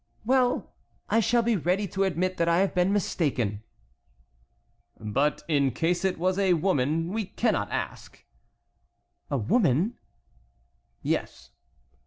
"Well, I shall be ready to admit that I have been mistaken." "But in case it was a woman, we cannot ask." "A woman?" "Yes."